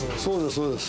そうです